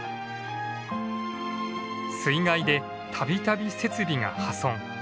水害でたびたび設備が破損。